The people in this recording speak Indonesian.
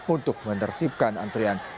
untuk menertibkan antrian